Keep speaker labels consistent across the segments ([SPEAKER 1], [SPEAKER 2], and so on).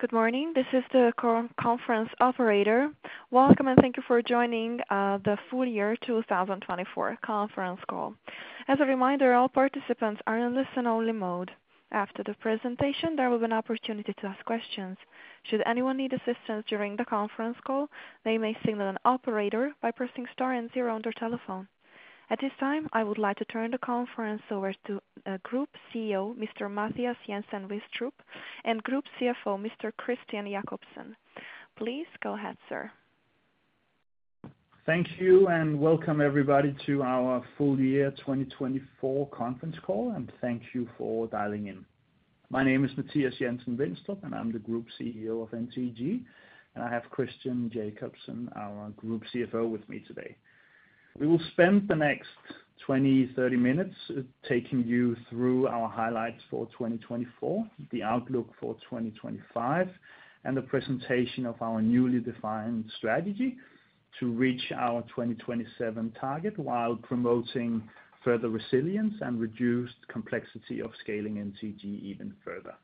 [SPEAKER 1] Good morning. This is the conference operator. Welcome, and thank you for joining the full year 2024 conference call. As a reminder, all participants are in listen-only mode. After the presentation, there will be an opportunity to ask questions. Should anyone need assistance during the conference call, they may signal an operator by pressing star and zero on their telephone. At this time, I would like to turn the conference over to Group CEO, Mr. Mathias Jensen-Vinstrup, and Group CFO, Mr. Christian Jakobsen. Please go ahead, sir.
[SPEAKER 2] Thank you, and welcome everybody to our full year 2024 conference call, and thank you for dialing in. My name is Mathias Jensen-Vinstrup, and I'm the Group CEO of NTG. I have Christian Jakobsen, our Group CFO, with me today. We will spend the next 20-30 minutes taking you through our highlights for 2024, the outlook for 2025, and the presentation of our newly defined strategy to reach our 2027 target while promoting further resilience and reduced complexity of scaling NTG even further.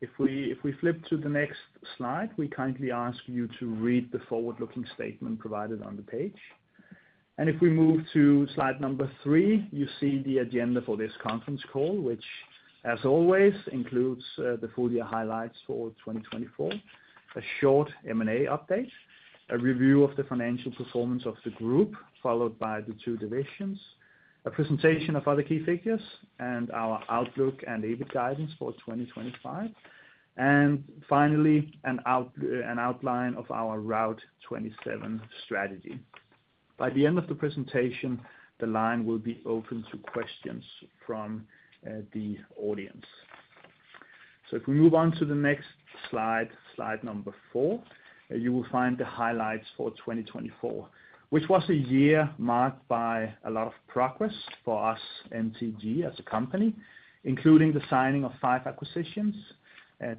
[SPEAKER 2] If we flip to the next slide, we kindly ask you to read the forward-looking statement provided on the page. If we move to slide number three, you see the agenda for this conference call, which, as always, includes the full year highlights for 2024, a short M&A update, a review of the financial performance of the group, followed by the two divisions, a presentation of other key figures, and our outlook and EBIT guidance for 2025. Finally, an outline of our Route 27 strategy. By the end of the presentation, the line will be open to questions from the audience. If we move on to the next slide, slide number four, you will find the highlights for 2024, which was a year marked by a lot of progress for us, NTG as a company, including the signing of five acquisitions,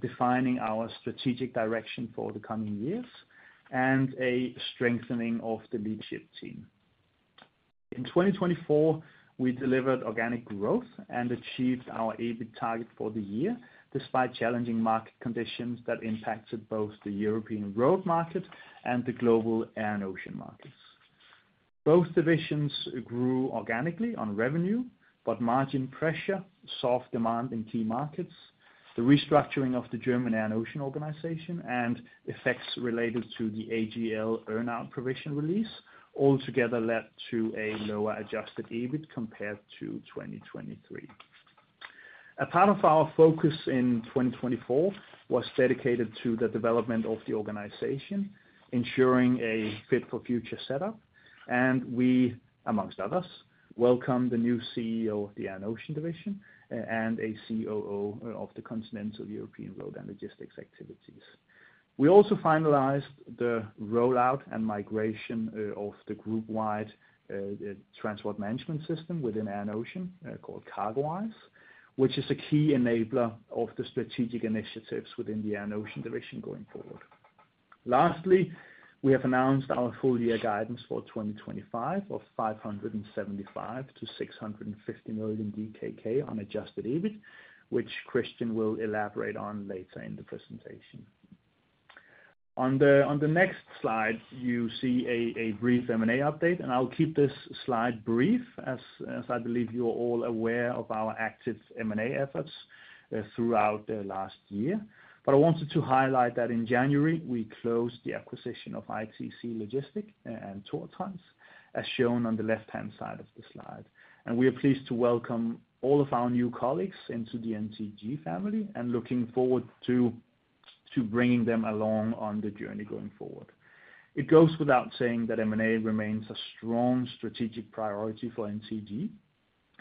[SPEAKER 2] defining our strategic direction for the coming years, and a strengthening of the leadership team. In 2024, we delivered organic growth and achieved our EBIT target for the year despite challenging market conditions that impacted both the European growth market and the global air and ocean markets. Both divisions grew organically on revenue, but margin pressure, soft demand in key markets, the restructuring of the German Air and Ocean Organization, and effects related to the AGL earnout provision release all together led to a lower adjusted EBIT compared to 2023. A part of our focus in 2024 was dedicated to the development of the organization, ensuring a fit-for-future setup, and we, amongst others, welcomed the new CEO of the Air and Ocean Division and a COO of the Continental European Road and Logistics Activities. We also finalized the rollout and migration of the group-wide transport management system within Air and Ocean called CargoEyes, which is a key enabler of the strategic initiatives within the Air and Ocean Division going forward. Lastly, we have announced our full year guidance for 2025 of 575 million-650 million DKK on adjusted EBIT, which Christian will elaborate on later in the presentation. On the next slide, you see a brief M&A update, and I will keep this slide brief as I believe you are all aware of our active M&A efforts throughout the last year. I wanted to highlight that in January, we closed the acquisition of ITC Logistic and Tortons, as shown on the left-hand side of the slide. We are pleased to welcome all of our new colleagues into the NTG family and looking forward to bringing them along on the journey going forward. It goes without saying that M&A remains a strong strategic priority for NTG,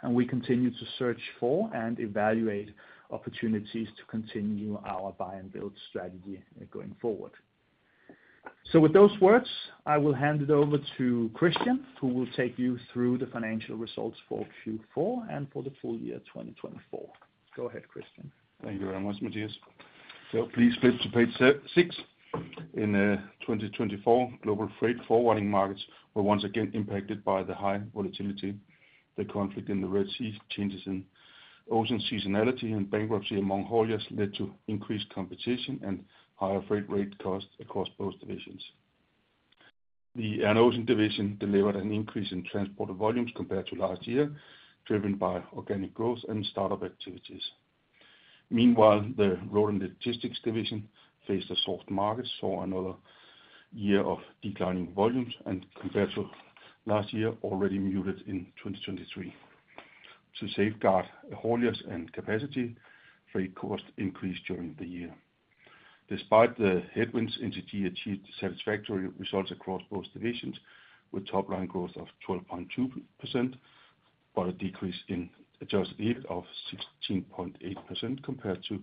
[SPEAKER 2] and we continue to search for and evaluate opportunities to continue our buy-and-build strategy going forward. With those words, I will hand it over to Christian, who will take you through the financial results for Q4 and for the full year 2024. Go ahead, Christian.
[SPEAKER 3] Thank you very much, Mathias. Please flip to page six. In 2024, global freight forwarding markets were once again impacted by the high volatility, the conflict in the Red Sea, changes in ocean seasonality, and bankruptcy among hauliers led to increased competition and higher freight rate costs across both divisions. The Air and Ocean Division delivered an increase in transport volumes compared to last year, driven by organic growth and startup activities. Meanwhile, the Road and Logistics Division faced a soft market, saw another year of declining volumes, and compared to last year, already muted in 2023. To safeguard hauliers and capacity, freight costs increased during the year. Despite the headwinds, NTG achieved satisfactory results across both divisions with top-line growth of 12.2%, but a decrease in adjusted EBIT of 16.8% compared to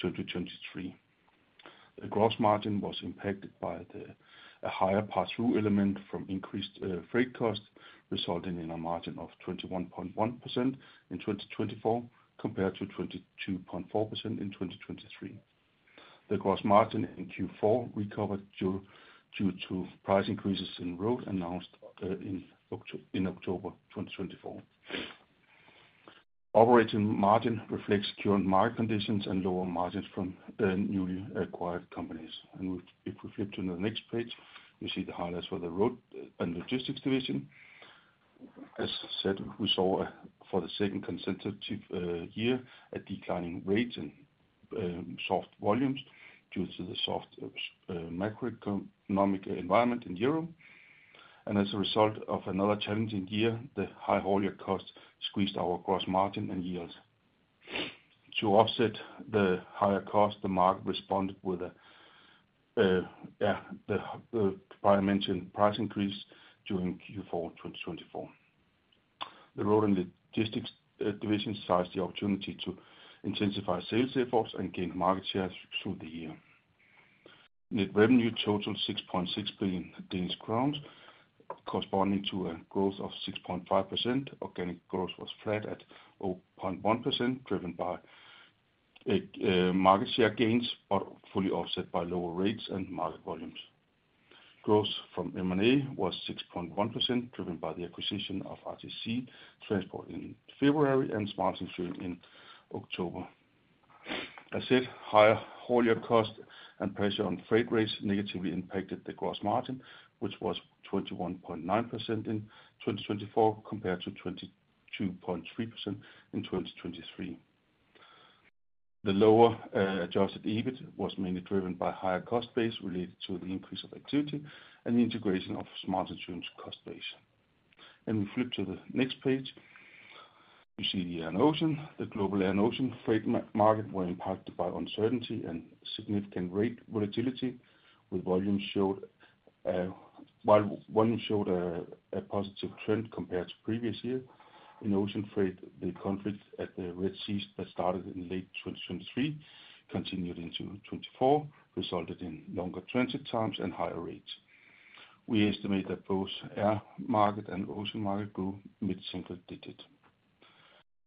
[SPEAKER 3] 2023. The gross margin was impacted by a higher pass-through element from increased freight costs, resulting in a margin of 21.1% in 2024 compared to 22.4% in 2023. The gross margin in Q4 recovered due to price increases in road announced in October 2024. Operating margin reflects current market conditions and lower margins from newly acquired companies. If we flip to the next page, you see the highlights for the Road and Logistics Division. As said, we saw for the second consecutive year a declining rate and soft volumes due to the soft macroeconomic environment in Europe. As a result of another challenging year, the high haulier costs squeezed our gross margin and yield. To offset the higher costs, the market responded with the prior-mentioned price increase during Q4 2024. The Road and Logistics Division seized the opportunity to intensify sales efforts and gain market share through the year. Net revenue totaled 6.6 billion Danish crowns, corresponding to a growth of 6.5%. Organic growth was flat at 0.1%, driven by market share gains, but fully offset by lower rates and market volumes. Growth from M&A was 6.1%, driven by the acquisition of RTC Transport in February and Smart Insurance in October. As said, higher haulier costs and pressure on freight rates negatively impacted the gross margin, which was 21.9% in 2024 compared to 22.3% in 2023. The lower adjusted EBIT was mainly driven by higher cost base related to the increase of activity and the integration of Smart Insurance cost base. You see the Air and Ocean. The global Air and Ocean freight market were impacted by uncertainty and significant rate volatility, with volume showed a positive trend compared to previous years. In ocean freight, the conflict at the Red Sea that started in late 2023 continued into 2024, resulting in longer transit times and higher rates. We estimate that both air market and ocean market grew mid-single digit.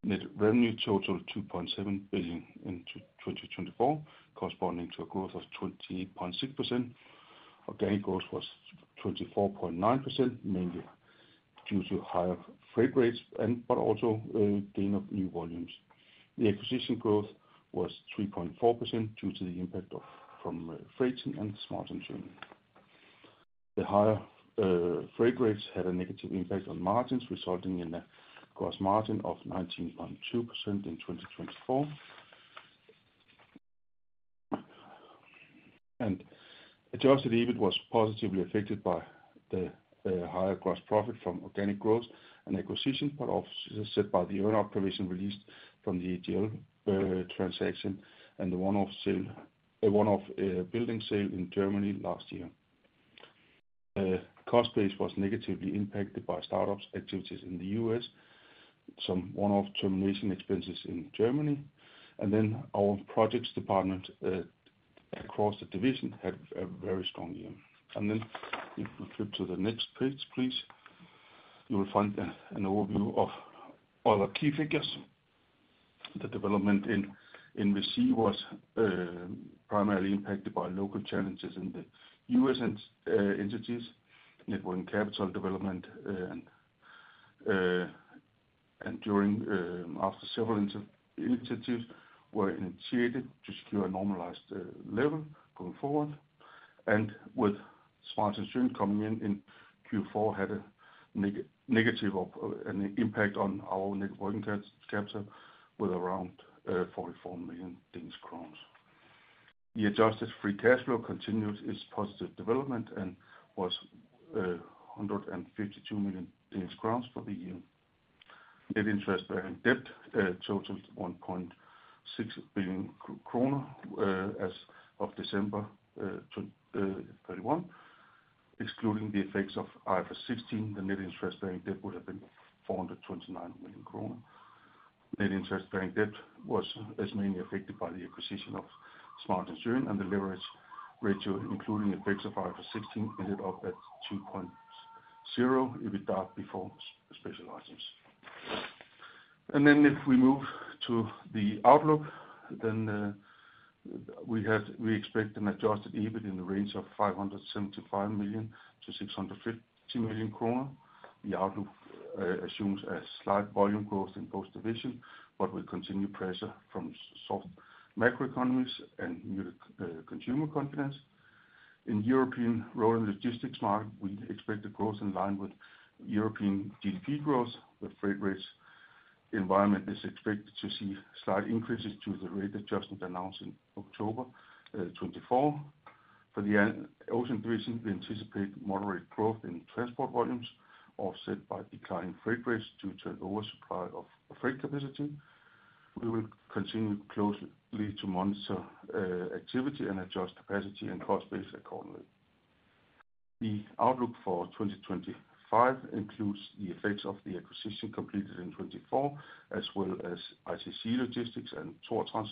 [SPEAKER 3] Net revenue totaled 2.7 billion in 2024, corresponding to a growth of 28.6%. Organic growth was 24.9%, mainly due to higher freight rates, but also gain of new volumes. The acquisition growth was 3.4% due to the impact from freighting and Smart Insurance. The higher freight rates had a negative impact on margins, resulting in a gross margin of 19.2% in 2024. Adjusted EBIT was positively affected by the higher gross profit from organic growth and acquisition, but also set by the earnout provision released from the AGL transaction and the one-off building sale in Germany last year. The cost base was negatively impacted by startups' activities in the US, some one-off termination expenses in Germany. Our projects department across the division had a very strong year. If we flip to the next page, please, you will find an overview of other key figures. The development in the sea was primarily impacted by local challenges in the US entities, networking capital development, and after several initiatives were initiated to secure a normalized level going forward. With Smart Insurance coming in, Q4 had a negative impact on our networking capital, with around 44 million Danish crowns. The adjusted free cash flow continued its positive development and was 152 million Danish crowns for the year. Net interest bearing debt totaled 1.6 billion kroner as of December 2021. Excluding the effects of IFRS 16, the net interest bearing debt would have been 429 million kroner. Net interest bearing debt was mainly affected by the acquisition of Smart Insurance, and the leverage ratio, including effects of IFRS 16, ended up at 2.0 if it died before special items. If we move to the outlook, we expect an adjusted EBIT in the range of 575 million-650 million kroner. The outlook assumes a slight volume growth in both divisions, but with continued pressure from soft macroeconomies and muted consumer confidence. In the European road and logistics market, we expect the growth in line with European GDP growth. The freight rates environment is expected to see slight increases to the rate adjustment announced in October 2024. For the Ocean Division, we anticipate moderate growth in transport volumes, offset by declining freight rates due to an oversupply of freight capacity. We will continue closely to monitor activity and adjust capacity and cost base accordingly. The outlook for 2025 includes the effects of the acquisition completed in 2024, as well as ITC Logistic and Tortons,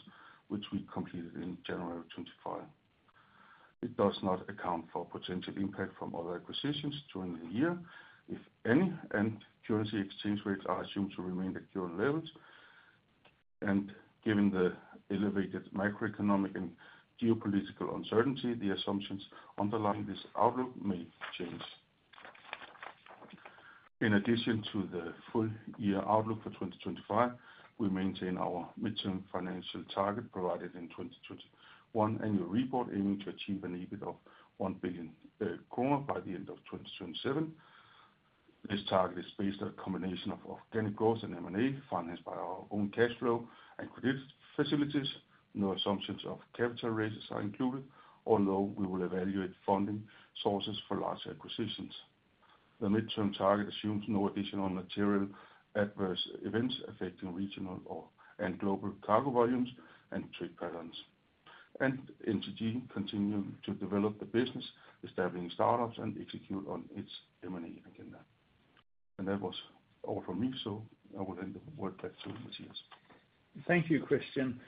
[SPEAKER 3] which we completed in January 2025. It does not account for potential impact from other acquisitions during the year, if any, and currency exchange rates are assumed to remain at current levels. Given the elevated macroeconomic and geopolitical uncertainty, the assumptions underlying this outlook may change. In addition to the full year outlook for 2025, we maintain our midterm financial target provided in the 2021 annual report aiming to achieve an EBIT of 1 billion by the end of 2027. This target is based on a combination of organic growth and M&A financed by our own cash flow and credit facilities. No assumptions of capital raises are included, although we will evaluate funding sources for large acquisitions. The midterm target assumes no additional material adverse events affecting regional and global cargo volumes and trade patterns. NTG continues to develop the business, establishing startups, and executing on its M&A agenda. That was all from me, so I will hand the word back to Mathias.
[SPEAKER 2] Thank you, Christian.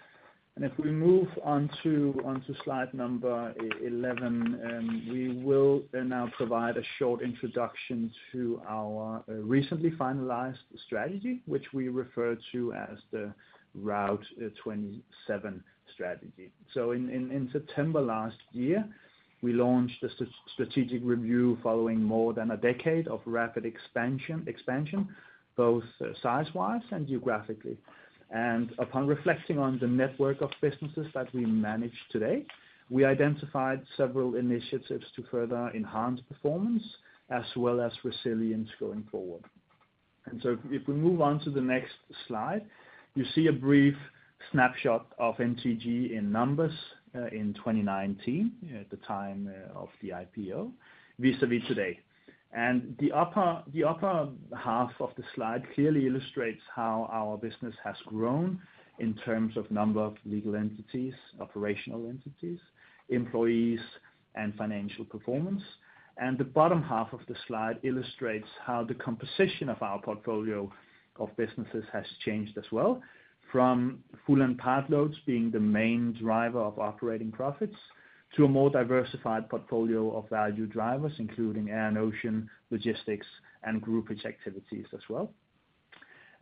[SPEAKER 2] If we move on to slide number 11, we will now provide a short introduction to our recently finalized strategy, which we refer to as the Route 27 strategy. In September last year, we launched a strategic review following more than a decade of rapid expansion, both size-wise and geographically. Upon reflecting on the network of businesses that we manage today, we identified several initiatives to further enhance performance as well as resilience going forward. If we move on to the next slide, you see a brief snapshot of NTG in numbers in 2019 at the time of the IPO vis-à-vis today. The upper half of the slide clearly illustrates how our business has grown in terms of number of legal entities, operational entities, employees, and financial performance. The bottom half of the slide illustrates how the composition of our portfolio of businesses has changed as well, from full and part loads being the main driver of operating profits to a more diversified portfolio of value drivers, including Air and Ocean, Logistics, and groupage activities as well.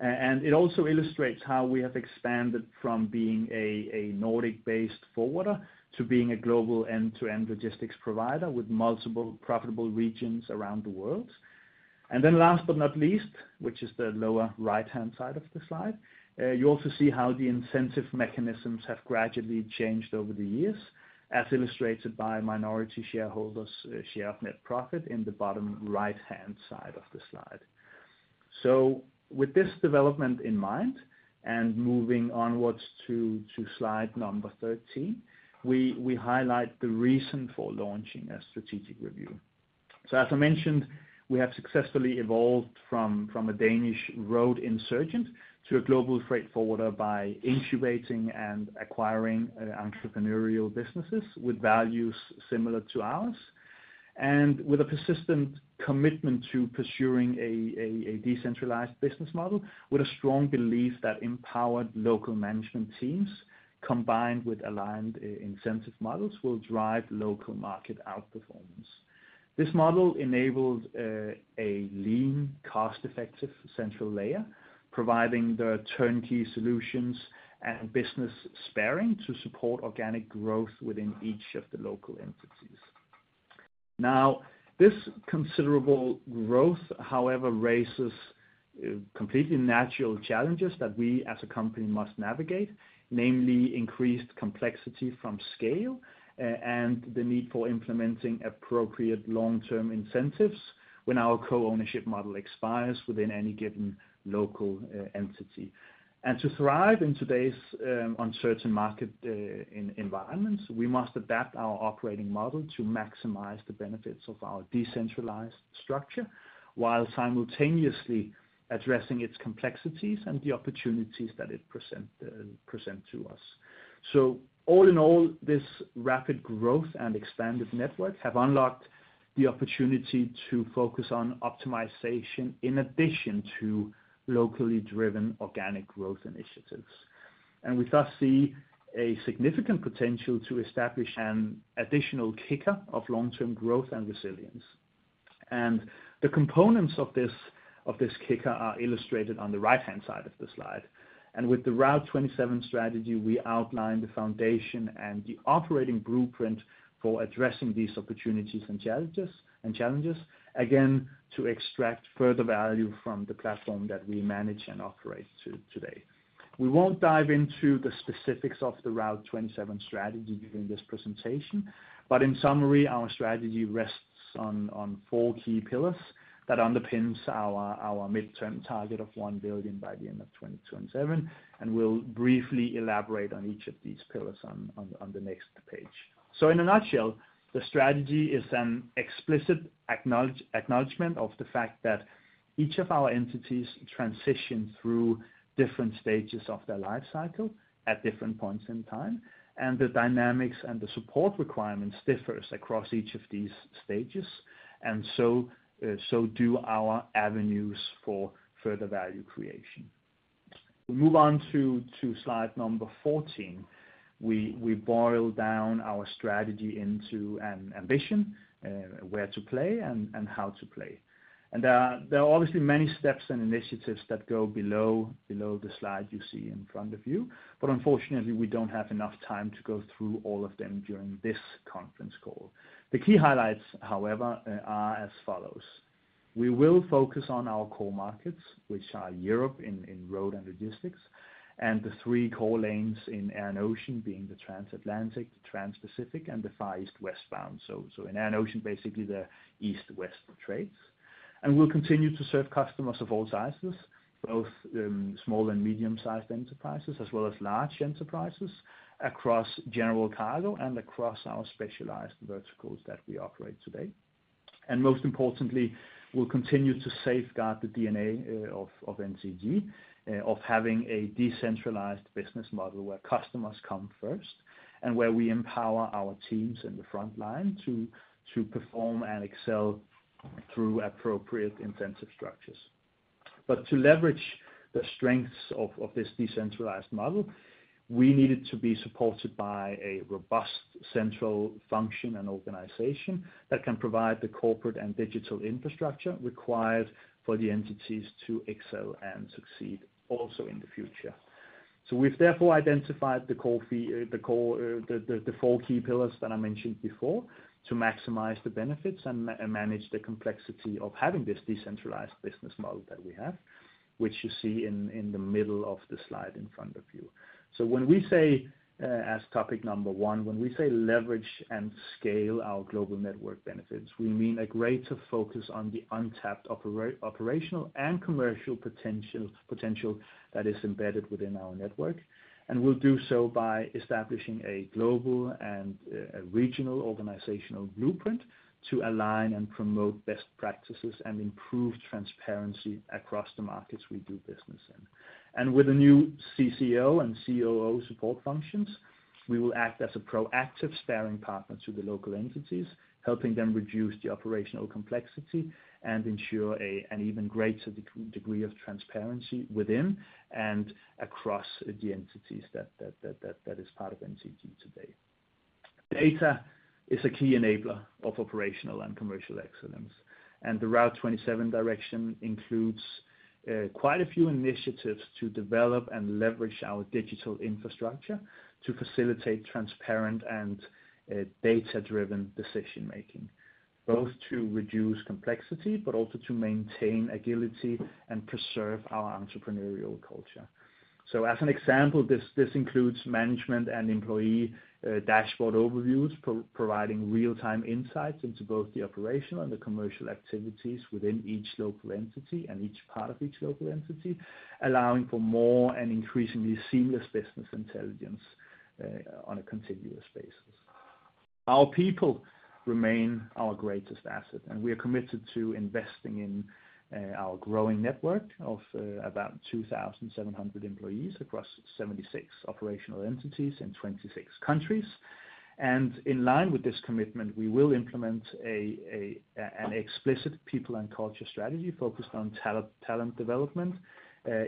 [SPEAKER 2] It also illustrates how we have expanded from being a Nordic-based forwarder to being a global end-to-end logistics provider with multiple profitable regions around the world. Last but not least, which is the lower right-hand side of the slide, you also see how the incentive mechanisms have gradually changed over the years, as illustrated by minority shareholders' share of net profit in the bottom right-hand side of the slide. With this development in mind and moving onwards to slide number 13, we highlight the reason for launching a strategic review. As I mentioned, we have successfully evolved from a Danish road insurgent to a global freight forwarder by incubating and acquiring entrepreneurial businesses with values similar to ours. With a persistent commitment to pursuing a decentralized business model, with a strong belief that empowered local management teams combined with aligned incentive models will drive local market outperformance. This model enabled a lean, cost-effective central layer, providing the turnkey solutions and business sparring to support organic growth within each of the local entities. Now, this considerable growth, however, raises completely natural challenges that we as a company must navigate, namely increased complexity from scale and the need for implementing appropriate long-term incentives when our co-ownership model expires within any given local entity. To thrive in today's uncertain market environments, we must adapt our operating model to maximize the benefits of our decentralized structure while simultaneously addressing its complexities and the opportunities that it presents to us. All in all, this rapid growth and expanded network have unlocked the opportunity to focus on optimization in addition to locally driven organic growth initiatives. We thus see a significant potential to establish an additional kicker of long-term growth and resilience. The components of this kicker are illustrated on the right-hand side of the slide. With the Route 27 strategy, we outline the foundation and the operating blueprint for addressing these opportunities and challenges, again, to extract further value from the platform that we manage and operate today. We won't dive into the specifics of the Route 27 strategy during this presentation, but in summary, our strategy rests on four key pillars that underpin our midterm target of 1 billion by the end of 2027. We'll briefly elaborate on each of these pillars on the next page. In a nutshell, the strategy is an explicit acknowledgment of the fact that each of our entities transition through different stages of their life cycle at different points in time, and the dynamics and the support requirements differ across each of these stages, and so do our avenues for further value creation. We move on to slide number 14. We boil down our strategy into an ambition, where to play, and how to play. There are obviously many steps and initiatives that go below the slide you see in front of you, but unfortunately, we do not have enough time to go through all of them during this conference call. The key highlights, however, are as follows. We will focus on our core markets, which are Europe in road and logistics, and the three core lanes in Air and Ocean being the transatlantic, the trans-Pacific, and the Far East-Westbound. In Air and Ocean, basically the East-West trades. We will continue to serve customers of all sizes, both small and medium-sized enterprises, as well as large enterprises across general cargo and across our specialized verticals that we operate today. Most importantly, we'll continue to safeguard the DNA of NTG, of having a decentralized business model where customers come first and where we empower our teams in the front line to perform and excel through appropriate incentive structures. To leverage the strengths of this decentralized model, we need it to be supported by a robust central function and organization that can provide the corporate and digital infrastructure required for the entities to excel and succeed also in the future. We have therefore identified the four key pillars that I mentioned before to maximize the benefits and manage the complexity of having this decentralized business model that we have, which you see in the middle of the slide in front of you. When we say, as topic number one, when we say leverage and scale our global network benefits, we mean a greater focus on the untapped operational and commercial potential that is embedded within our network. We will do so by establishing a global and regional organizational blueprint to align and promote best practices and improve transparency across the markets we do business in. With a new CCO and COO support functions, we will act as a proactive sparring partner to the local entities, helping them reduce the operational complexity and ensure an even greater degree of transparency within and across the entities that are part of NTG today. Data is a key enabler of operational and commercial excellence. The Route 27 direction includes quite a few initiatives to develop and leverage our digital infrastructure to facilitate transparent and data-driven decision-making, both to reduce complexity, but also to maintain agility and preserve our entrepreneurial culture. For example, this includes management and employee dashboard overviews, providing real-time insights into both the operational and the commercial activities within each local entity and each part of each local entity, allowing for more and increasingly seamless business intelligence on a continuous basis. Our people remain our greatest asset, and we are committed to investing in our growing network of about 2,700 employees across 76 operational entities in 26 countries. In line with this commitment, we will implement an explicit people and culture strategy focused on talent development,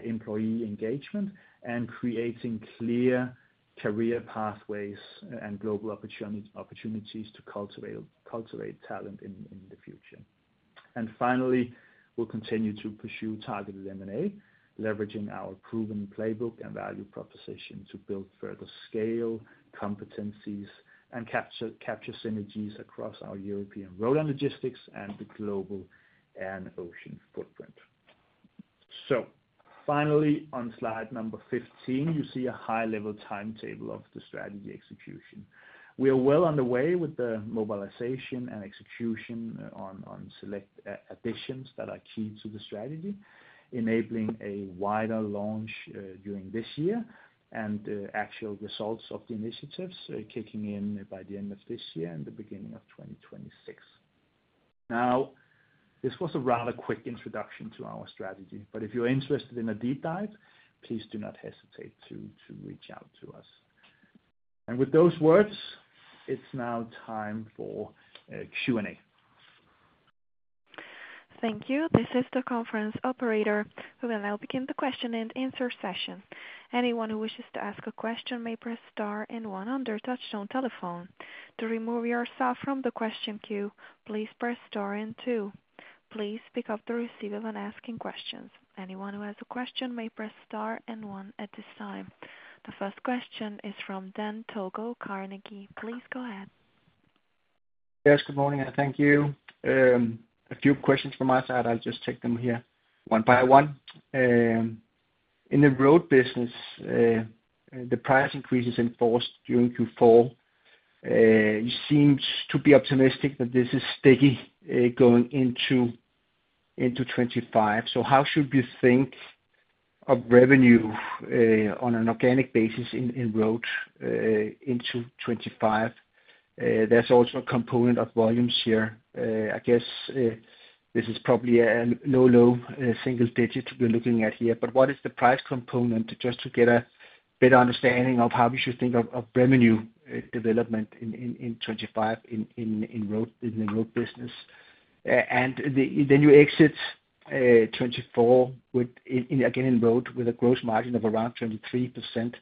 [SPEAKER 2] employee engagement, and creating clear career pathways and global opportunities to cultivate talent in the future. Finally, we'll continue to pursue targeted M&A, leveraging our proven playbook and value proposition to build further scale, competencies, and capture synergies across our European road and logistics and the global Air and Ocean footprint. On slide number 15, you see a high-level timetable of the strategy execution. We are well on the way with the mobilization and execution on select additions that are key to the strategy, enabling a wider launch during this year and actual results of the initiatives kicking in by the end of this year and the beginning of 2026. This was a rather quick introduction to our strategy, but if you're interested in a deep dive, please do not hesitate to reach out to us. With those words, it's now time for Q&A.
[SPEAKER 1] Thank you. This is the conference operator who will now begin the question and answer session. Anyone who wishes to ask a question may press star and one on their touch-tone telephone. To remove yourself from the question queue, please press star and two. Please pick up the receiver when asking questions. Anyone who has a question may press star and one at this time. The first question is from Dan Togo at Carnegie. Please go ahead.
[SPEAKER 4] Yes, good morning. Thank you. A few questions from my side. I'll just take them here one by one. In the road business, the price increases enforced during Q4. You seem to be optimistic that this is sticky going into 2025. How should we think of revenue on an organic basis in road into 2025? There's also a component of volumes here. I guess this is probably a low-low single digit we're looking at here, but what is the price component just to get a better understanding of how we should think of revenue development in 2025 in the road business? You exit 2024 again in road with a gross margin of around 23%.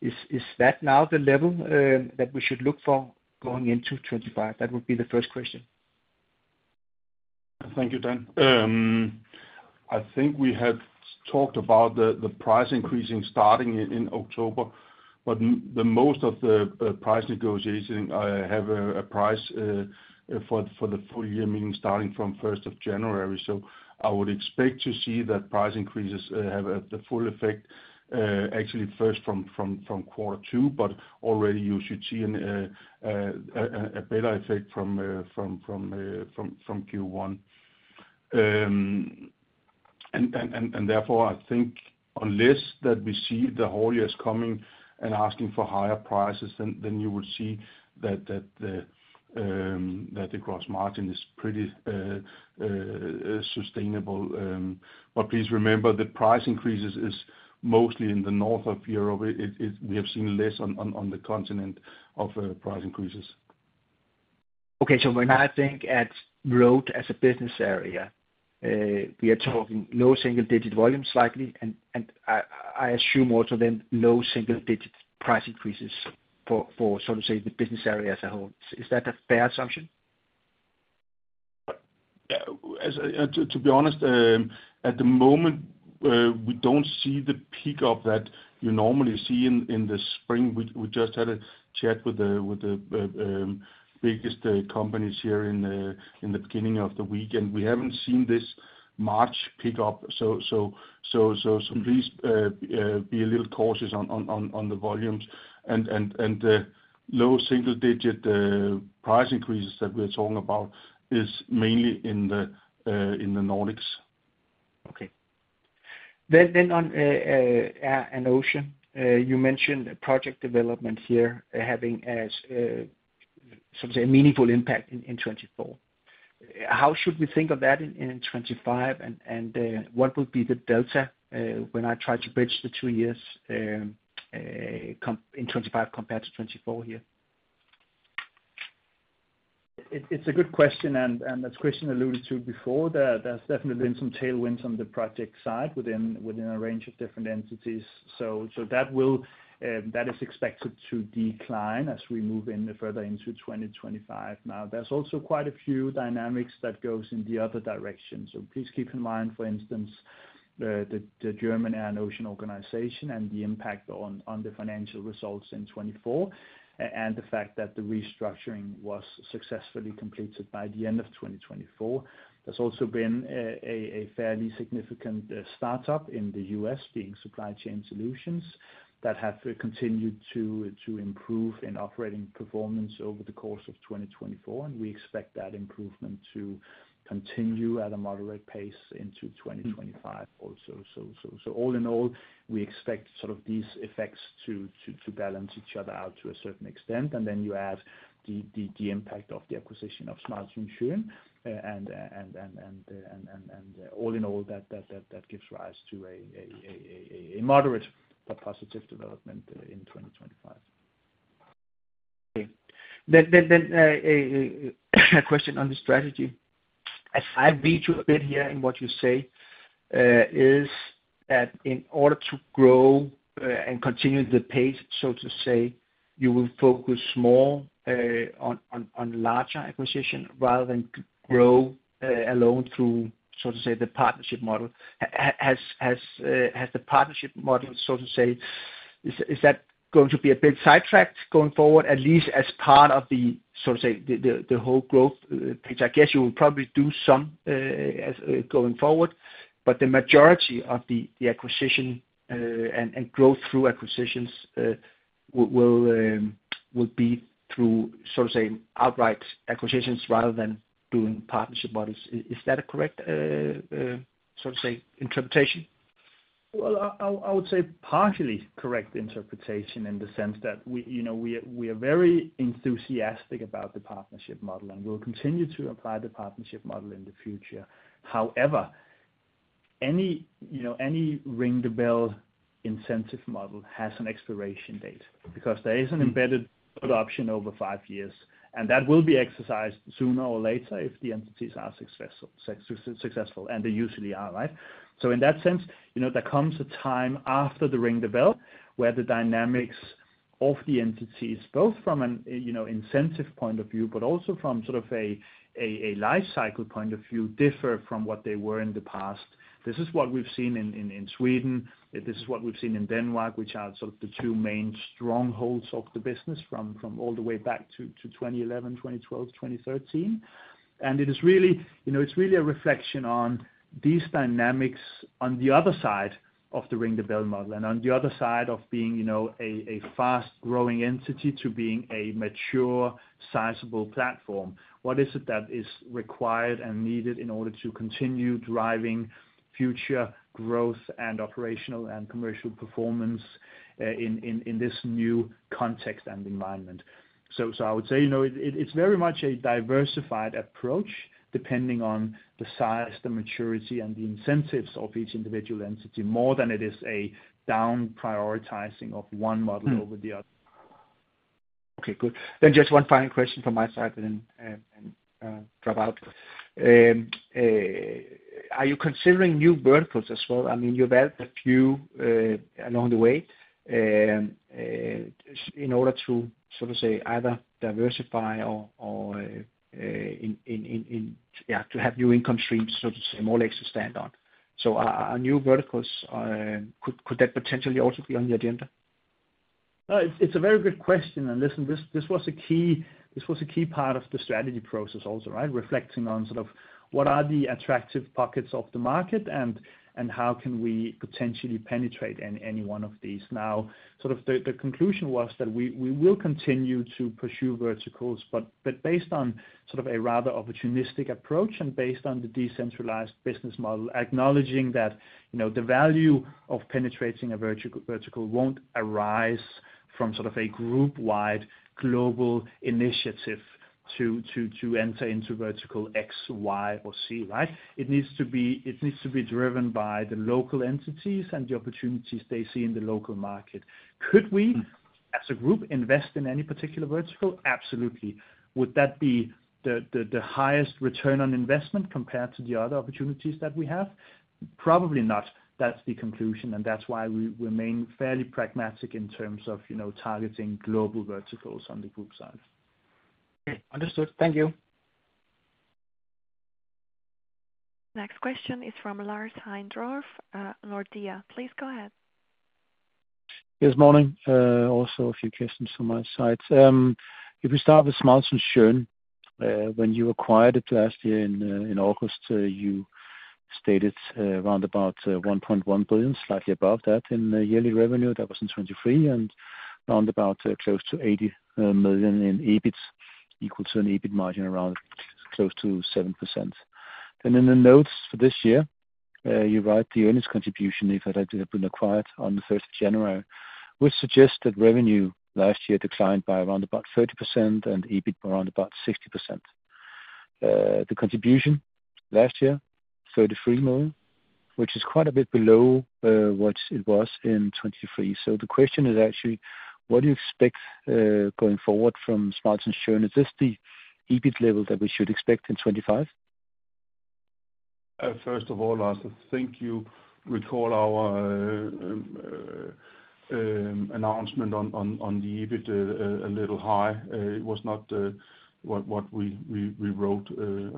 [SPEAKER 4] Is that now the level that we should look for going into 2025? That would be the first question.
[SPEAKER 3] Thank you, Dan. I think we had talked about the price increasing starting in October, but most of the price negotiation have a price for the full year, meaning starting from first of January. I would expect to see that price increases have the full effect, actually first from quarter two, but already you should see a better effect from Q1. Therefore, I think unless we see the whole year's coming and asking for higher prices, you would see that the gross margin is pretty sustainable. Please remember that price increases is mostly in the north of Europe. We have seen less on the continent of price increases.
[SPEAKER 4] Okay. When I think at road as a business area, we are talking low single-digit volumes likely, and I assume also then low single-digit price increases for, so to say, the business area as a whole. Is that a fair assumption?
[SPEAKER 3] To be honest, at the moment, we don't see the peak of that you normally see in the spring. We just had a chat with the biggest companies here in the beginning of the week, and we haven't seen this much pickup. Please be a little cautious on the volumes. The low single-digit price increases that we're talking about is mainly in the Nordics.
[SPEAKER 4] Okay. On Air and Ocean, you mentioned project development here having, so to say, a meaningful impact in 2024. How should we think of that in 2025, and what would be the delta when I try to bridge the two years in 2025 compared to 2024 here?
[SPEAKER 2] It's a good question, and as Christian alluded to before, there's definitely been some tailwinds on the project side within a range of different entities. That is expected to decline as we move further into 2025. Now, there's also quite a few dynamics that go in the other direction. Please keep in mind, for instance, the German Air and Ocean Organization and the impact on the financial results in 2024 and the fact that the restructuring was successfully completed by the end of 2024. There's also been a fairly significant startup in the U.S. being Supply Chain Solutions that have continued to improve in operating performance over the course of 2024, and we expect that improvement to continue at a moderate pace into 2025 also. All in all, we expect sort of these effects to balance each other out to a certain extent. You add the impact of the acquisition of Smart Insurance, and all in all, that gives rise to a moderate but positive development in 2025.
[SPEAKER 4] Okay. Then a question on the strategy. I read you a bit here in what you say is that in order to grow and continue the pace, so to say, you will focus more on larger acquisition rather than grow alone through, so to say, the partnership model. Has the partnership model, so to say, is that going to be a bit sidetracked going forward, at least as part of the, so to say, the whole growth? I guess you will probably do some going forward, but the majority of the acquisition and growth through acquisitions will be through, so to say, outright acquisitions rather than doing partnership models. Is that a correct, so to say, interpretation?
[SPEAKER 2] I would say partially correct interpretation in the sense that we are very enthusiastic about the partnership model, and we'll continue to apply the partnership model in the future. However, any ring-the-bell incentive model has an expiration date because there is an embedded option over five years, and that will be exercised sooner or later if the entities are successful, and they usually are, right? In that sense, there comes a time after the ring-the-bell where the dynamics of the entities, both from an incentive point of view, but also from sort of a life cycle point of view, differ from what they were in the past. This is what we've seen in Sweden. This is what we've seen in Denmark, which are sort of the two main strongholds of the business from all the way back to 2011, 2012, 2013. It is really a reflection on these dynamics on the other side of the ring-the-bell model and on the other side of being a fast-growing entity to being a mature, sizable platform. What is it that is required and needed in order to continue driving future growth and operational and commercial performance in this new context and environment? I would say it is very much a diversified approach depending on the size, the maturity, and the incentives of each individual entity more than it is a down-prioritizing of one model over the other.
[SPEAKER 4] Okay. Good. Then just one final question from my side and drop out. Are you considering new verticals as well? I mean, you've had a few along the way in order to, so to say, either diversify or to have new income streams, so to say, more or less to stand on. Are new verticals, could that potentially also be on the agenda?
[SPEAKER 2] It's a very good question. Listen, this was a key part of the strategy process also, right? Reflecting on sort of what are the attractive pockets of the market and how can we potentially penetrate any one of these? Now, sort of the conclusion was that we will continue to pursue verticals, but based on sort of a rather opportunistic approach and based on the decentralized business model, acknowledging that the value of penetrating a vertical won't arise from sort of a group-wide global initiative to enter into vertical X, Y, or Z, right? It needs to be driven by the local entities and the opportunities they see in the local market. Could we, as a group, invest in any particular vertical? Absolutely. Would that be the highest return on investment compared to the other opportunities that we have? Probably not. That's the conclusion, and that's why we remain fairly pragmatic in terms of targeting global verticals on the group side.
[SPEAKER 4] Okay. Understood. Thank you.
[SPEAKER 1] Next question is from Lars Heindorf, Nordea. Please go ahead.
[SPEAKER 5] Yes, morning. Also a few questions from my side. If we start with Smart Insurance, when you acquired it last year in August, you stated round about 1.1 billion, slightly above that in yearly revenue. That was in 2023, and round about close to 80 million in EBIT, equal to an EBIT margin around close to 7%. In the notes for this year, you write the earnings contribution if it had been acquired on the 1st of January, which suggests that revenue last year declined by around about 30% and EBIT by around about 60%. The contribution last year, 33 million, which is quite a bit below what it was in 2023. The question is actually, what do you expect going forward from Smart Insurance? Is this the EBIT level that we should expect in 2025?
[SPEAKER 3] First of all, Lars, I think you recall our announcement on the EBIT a little high. It was not what we wrote.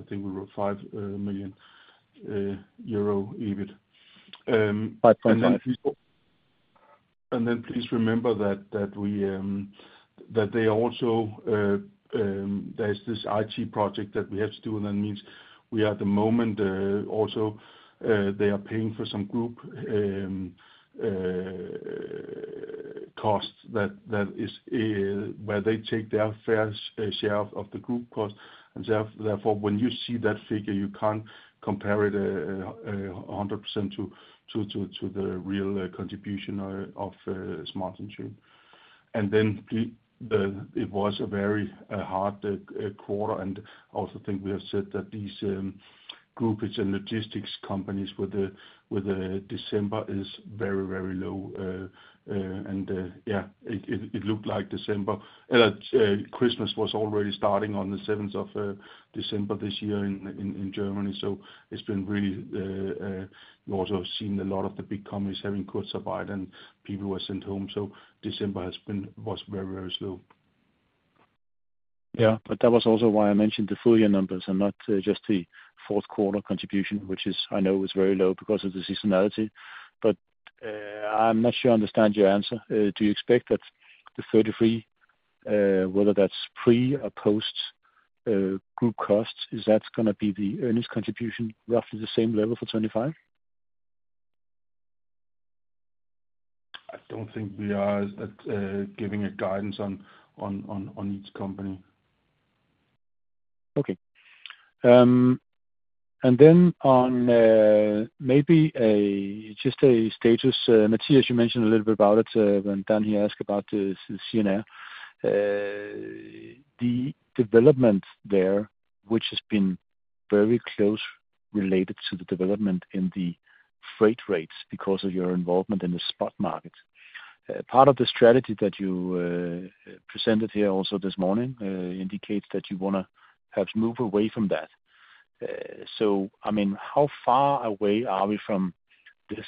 [SPEAKER 3] I think we wrote 5 million euro EBIT. Please remember that they also, there's this IT project that we have to do, and that means we are at the moment also, they are paying for some group costs. That is where they take their fair share of the group cost. Therefore, when you see that figure, you can't compare it 100% to the real contribution of Smart Insurance. It was a very hard quarter, and I also think we have said that these groups and logistics companies with the December is very, very low. It looked like December Christmas was already starting on the 7th of December this year in Germany. It has been really also seen a lot of the big companies having to survive, and people were sent home. December was very, very slow.
[SPEAKER 5] Yeah. That was also why I mentioned the full year numbers and not just the fourth quarter contribution, which I know was very low because of the seasonality. I am not sure I understand your answer. Do you expect that the 33, whether that is pre or post group costs, is that going to be the earnings contribution roughly the same level for 2025?
[SPEAKER 3] I don't think we are giving a guidance on each company.
[SPEAKER 5] Okay. And then maybe just a status, Mathias, you mentioned a little bit about it when Dan here asked about the CNR. The development there, which has been very closely related to the development in the freight rates because of your involvement in the spot market. Part of the strategy that you presented here also this morning indicates that you want to perhaps move away from that. I mean, how far away are we from this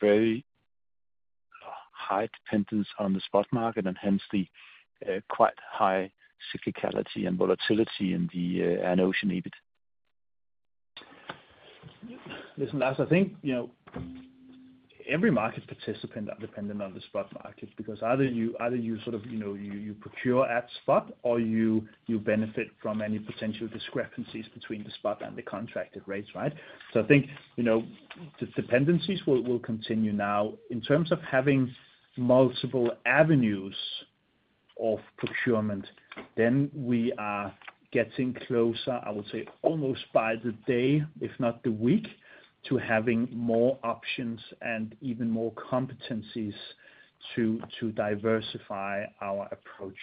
[SPEAKER 5] very high dependence on the spot market and hence the quite high cyclicality and volatility in the Air and Ocean EBIT?
[SPEAKER 2] Listen, Lars, I think every market participant is dependent on the spot market because either you sort of procure at spot or you benefit from any potential discrepancies between the spot and the contracted rates, right? I think the dependencies will continue now. In terms of having multiple avenues of procurement, we are getting closer, I would say, almost by the day, if not the week, to having more options and even more competencies to diversify our approach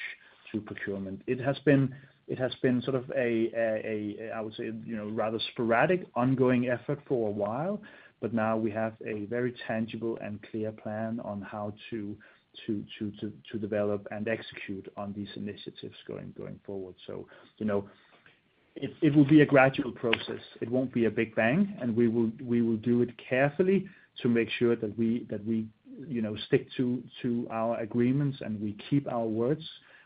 [SPEAKER 2] to procurement. It has been sort of a, I would say, rather sporadic ongoing effort for a while, but now we have a very tangible and clear plan on how to develop and execute on these initiatives going forward. It will be a gradual process. It won't be a big bang, and we will do it carefully to make sure that we stick to our agreements and we keep our words,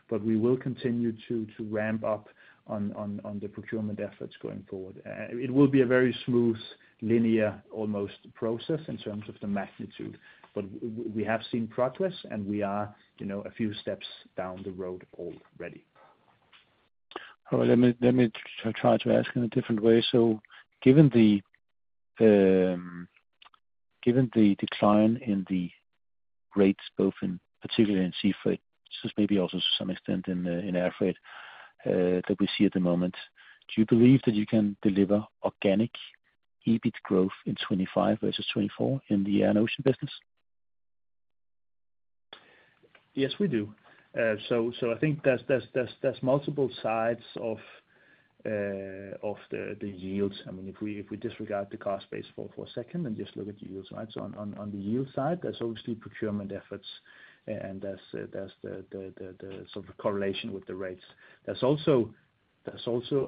[SPEAKER 2] but we will continue to ramp up on the procurement efforts going forward. It will be a very smooth, linear, almost process in terms of the magnitude, but we have seen progress, and we are a few steps down the road already.
[SPEAKER 5] All right. Let me try to ask in a different way. Given the decline in the rates, both in particular in seafood, just maybe also to some extent in air freight that we see at the moment, do you believe that you can deliver organic EBIT growth in 2025 versus 2024 in the Air and Ocean business?
[SPEAKER 2] Yes, we do. I think there's multiple sides of the yields. I mean, if we disregard the cost base for a second and just look at the yields, right? On the yield side, there's obviously procurement efforts, and there's the sort of correlation with the rates. There's also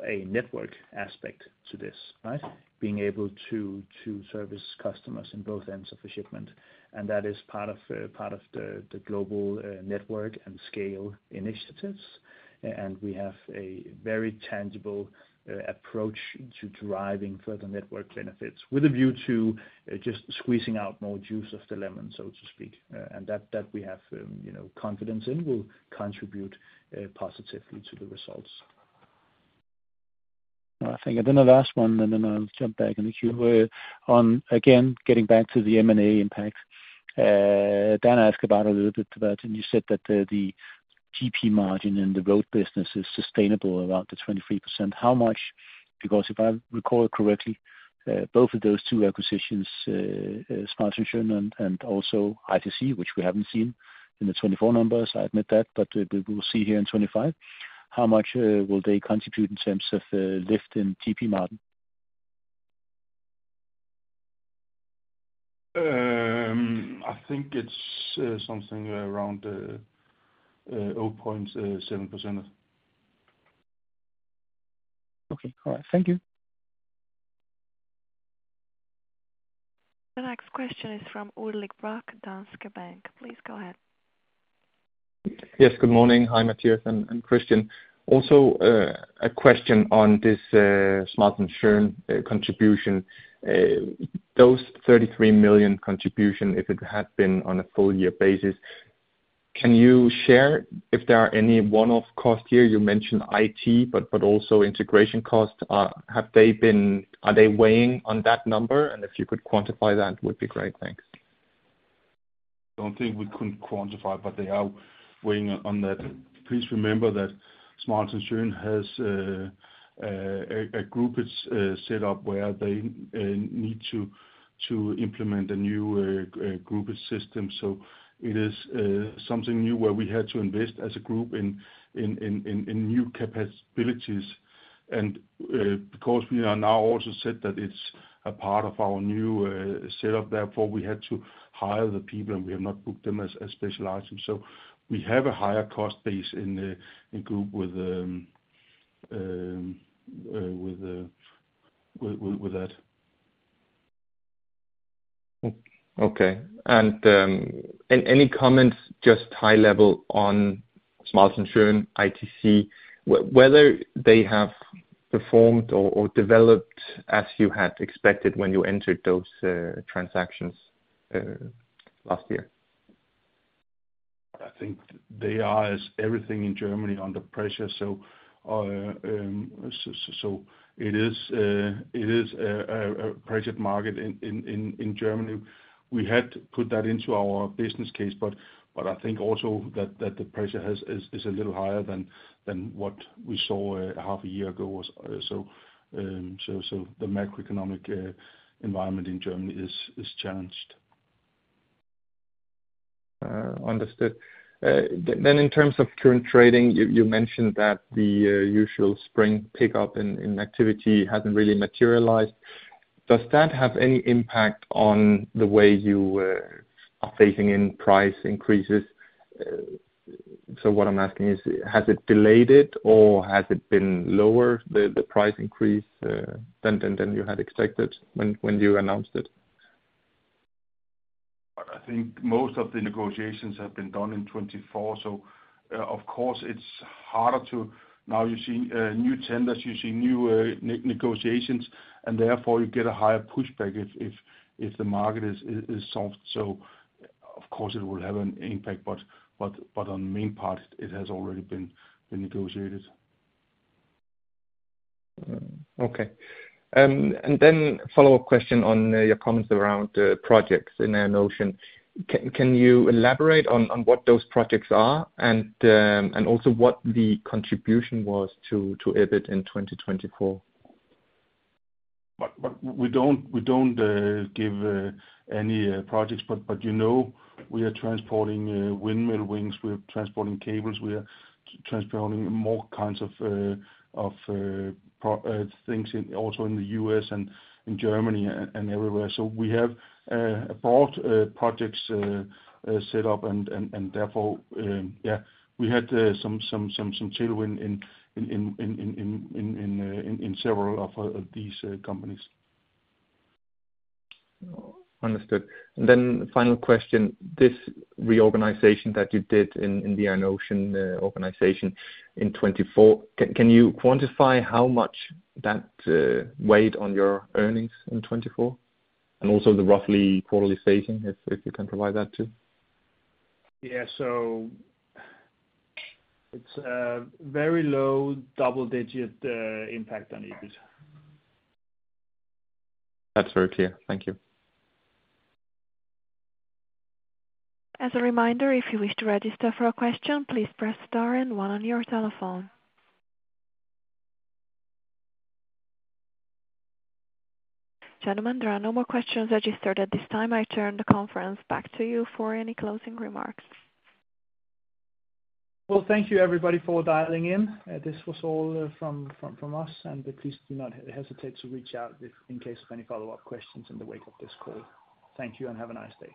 [SPEAKER 2] a network aspect to this, right? Being able to service customers in both ends of the shipment, and that is part of the global network and scale initiatives. We have a very tangible approach to driving further network benefits with a view to just squeezing out more juice of the lemon, so to speak. That we have confidence in will contribute positively to the results.
[SPEAKER 5] I think I'm going to last one, and then I'll jump back in the queue on, again, getting back to the M&A impact. Dan asked about a little bit about, and you said that the GP margin in the road business is sustainable around the 23%. How much? Because if I recall correctly, both of those two acquisitions, Smart Insurance and also ITC, which we haven't seen in the 2024 numbers, I admit that, but we will see here in 2025, how much will they contribute in terms of lift in GP margin?
[SPEAKER 3] I think it's something around 0.7%.
[SPEAKER 5] Okay. All right. Thank you.
[SPEAKER 1] The next question is from Ulrik Bak, Danske Bank. Please go ahead.
[SPEAKER 6] Yes. Good morning. Hi, Mathias and Christian. Also a question on this Smart Insurance contribution. Those 33 million contribution, if it had been on a full year basis, can you share if there are any one-off costs here? You mentioned IT, but also integration costs. Have they been, are they weighing on that number? If you could quantify that would be great. Thanks.
[SPEAKER 3] I don't think we could quantify, but they are weighing on that. Please remember that Smart Insurance has a group, it's set up where they need to implement a new group IT system. It is something new where we had to invest as a group in new capabilities. Because we are now also said that it's a part of our new setup, therefore we had to hire the people, and we have not booked them as specialized. We have a higher cost base in group with that.
[SPEAKER 6] Okay. Any comments, just high level on Smart Insurance, ITC, whether they have performed or developed as you had expected when you entered those transactions last year?
[SPEAKER 3] I think they are as everything in Germany under pressure. It is a pressured market in Germany. We had put that into our business case, but I think also that the pressure is a little higher than what we saw half a year ago. The macroeconomic environment in Germany is challenged.
[SPEAKER 6] Understood. In terms of current trading, you mentioned that the usual spring pickup in activity hasn't really materialized. Does that have any impact on the way you are facing in price increases? What I'm asking is, has it delayed it or has it been lower, the price increase than you had expected when you announced it?
[SPEAKER 3] I think most of the negotiations have been done in 2024. Of course, it's harder to now you see new tenders, you see new negotiations, and therefore you get a higher pushback if the market is soft. Of course, it will have an impact, but on the main part, it has already been negotiated.
[SPEAKER 6] Okay. A follow-up question on your comments around projects in Air and Ocean. Can you elaborate on what those projects are and also what the contribution was to EBIT in 2024?
[SPEAKER 3] We do not give any projects, but we are transporting windmill wings. We are transporting cables. We are transporting more kinds of things also in the U.S. and in Germany and everywhere. We have brought projects set up, and therefore, yeah, we had some tailwind in several of these companies.
[SPEAKER 6] Understood. And then final question, this reorganization that you did in the Air and Ocean organization in 2024, can you quantify how much that weighed on your earnings in 2024? And also the roughly quarterly phasing, if you can provide that too.
[SPEAKER 3] Yeah. It is a very low double-digit impact on EBIT.
[SPEAKER 6] That's very clear. Thank you.
[SPEAKER 1] As a reminder, if you wish to register for a question, please press star and one on your telephone. Gentlemen, there are no more questions registered at this time. I turn the conference back to you for any closing remarks.
[SPEAKER 2] Thank you, everybody, for dialing in. This was all from us, and please do not hesitate to reach out in case of any follow-up questions in the wake of this call. Thank you and have a nice day.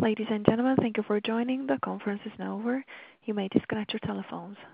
[SPEAKER 1] Ladies and gentlemen, thank you for joining. The conference is now over. You may disconnect your telephones.